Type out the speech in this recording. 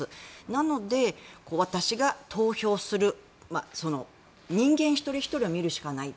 なので、私が投票する人間一人ひとりを見るしかない。